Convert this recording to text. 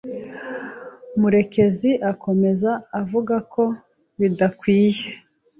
Murekezi akomeza avuga ko bidakwiye